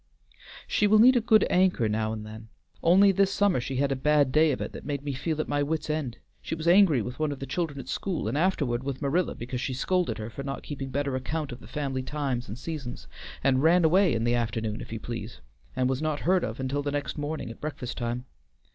She will need a good anchor now and then. Only this summer she had a bad day of it that made me feel at my wits' end. She was angry with one of the children at school, and afterward with Marilla because she scolded her for not keeping better account of the family times and seasons, and ran away in the afternoon, if you please, and was not heard from until next morning at breakfast time.